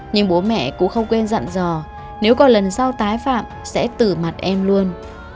nhưng bố mẹ cũng không quên dặn dò nếu còn lần sau tái phạm sẽ tử mặt em luôn